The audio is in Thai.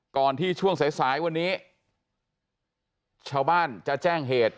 ก่อนที่ช่วงสายสายวันนี้ชาวบ้านจะแจ้งเหตุ